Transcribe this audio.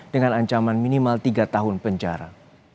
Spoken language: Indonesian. dengan ancaman minimal tiga tahun penjara